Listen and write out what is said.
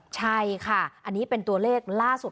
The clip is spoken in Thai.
ใช่ค่ะอันนี้เป็นตัวเลขล่าสุด